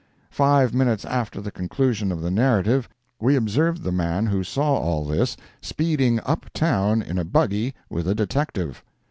Five minutes after the conclusion of the narrative, we observed the man who saw all this, speeding up town in a buggy with a detective.